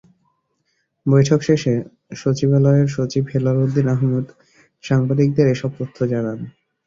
বৈঠক শেষে ইসি সচিবালয়ের সচিব হেলালুদ্দীন আহমদ সাংবাদিকদের এসব তথ্য জানান।